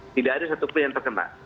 tidak ada satupun yang terkena